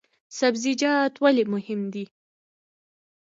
سبزیجات ولې مهم دي؟